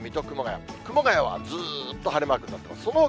熊谷はずっと晴れマークになってます。